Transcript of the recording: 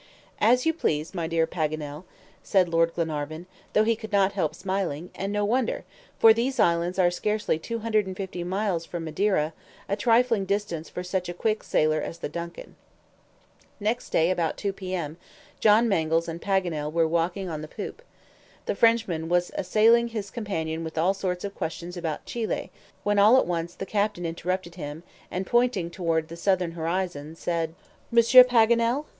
"As you please, my dear Paganel," said Lord Glenarvan, though he could not help smiling; and no wonder, for these islands are scarcely 250 miles from Madeira, a trifling distance for such a quick sailer as the DUNCAN. Next day, about 2 P. M., John Mangles and Paganel were walking on the poop. The Frenchman was assailing his companion with all sorts of questions about Chili, when all at once the captain interrupted him, and pointing toward the southern horizon, said: "Monsieur Paganel?"